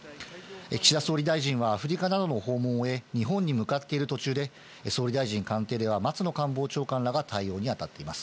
岸田総理大臣はアフリカなどへの訪問を終え、日本に向かっている途中で、総理大臣官邸では松野官房長官らが対応に当たっています。